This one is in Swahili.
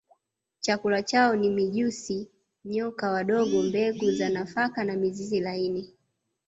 Chakula chao ni mijusi nyoka wadogo mbegu za nafaka na mizizi laini